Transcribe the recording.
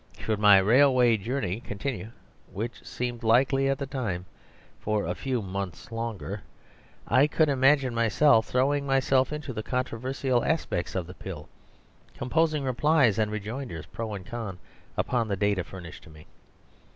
Should my railway journey continue (which seemed likely at the time) for a few months longer, I could imagine myself throwing myself into the controversial aspects of the pill, composing replies and rejoinders pro and con upon the data furnished to me.